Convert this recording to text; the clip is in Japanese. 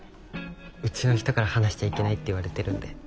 うちの人から話しちゃいけないって言われてるんで。